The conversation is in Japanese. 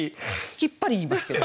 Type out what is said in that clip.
きっぱり言いますけど。